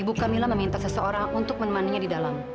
ibu kamila meminta seseorang untuk menemannya di dalam